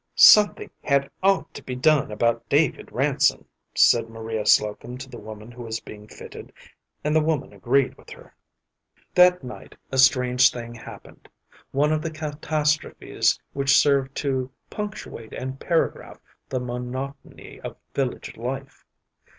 "Something had ought to be done about David Ransom," said Maria Slocum to the woman who was being fitted, and the woman agreed with her. That night a strange thing happened: one of the catastrophes which serve to punctuate and paragraph the monotony of village life.